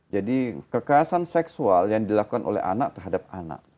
kekerasan seksual yang dilakukan oleh anak terhadap anak